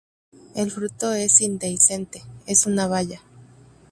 El fruto es indehiscente, es una baya.